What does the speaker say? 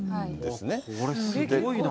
これすごいな。